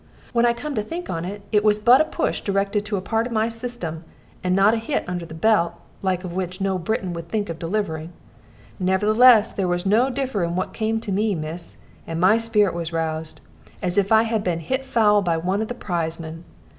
When I come to think on it, it was but a push directed to a part of my system, and not a hit under the belt, the like of which no Briton would think of delivering. Nevertheless, there was no differ in what came to me, miss, and my spirit was roused, as if I had been hit foul by one of the prizemen.